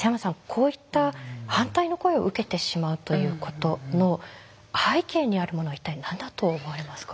こういった反対の声を受けてしまうということの背景にあるものは一体何だと思われますか？